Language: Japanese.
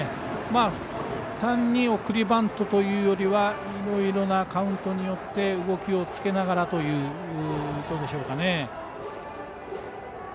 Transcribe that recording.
単に送りバントというよりはいろいろなカウントによって動きをつけながらという意図でしょうかね。